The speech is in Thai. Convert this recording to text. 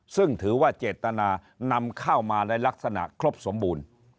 ซึ่งถือว่าเจตนานำเข้ามาในลักษณะครบสมบูรณ์